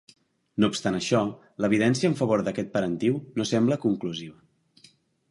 No obstant això, l'evidència en favor d'aquest parentiu no sembla conclusiva.